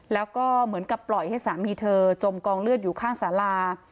แล้วก็เหมือนกับปล่อยให้สามีเธอจมกองเลือดอยู่ข้างสารา